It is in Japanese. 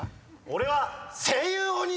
俺は。